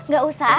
gak usah a